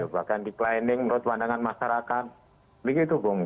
bahkan declining menurut pandangan masyarakat